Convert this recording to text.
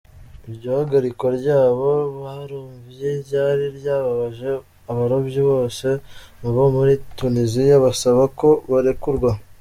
Iryo hagarikwa ryabo barovyi ryari ryababaje abarovyi bose bo muri Tunisia basaba ko barekurwa.